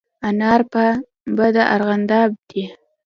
انار په د ارغانداب دي